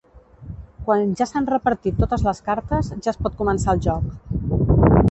Quan ja s'han repartit totes les cartes, ja es pot començar el joc.